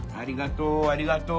ありがとう！